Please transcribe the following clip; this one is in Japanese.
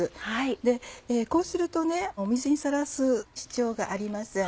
でこうすると水にさらす必要がありません。